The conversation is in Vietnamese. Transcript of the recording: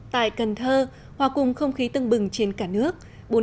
tại cần thơ hòa cùng không khí tưng bừng trên cả nước